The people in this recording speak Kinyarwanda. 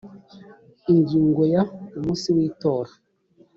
ingingo ya umunsi w itora